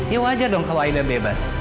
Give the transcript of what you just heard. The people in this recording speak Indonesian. ya wajar dong kalau akhirnya bebas